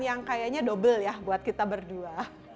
yang kayaknya double ya buat kita berdua